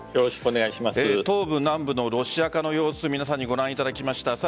東部・南部のロシア化の様子を皆さんにご覧いただきました。